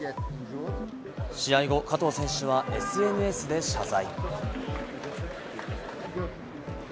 試合後、加藤選手はＳＮＳで謝罪。